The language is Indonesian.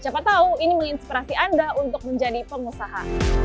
siapa tahu ini menginspirasi anda untuk menjadi pengusaha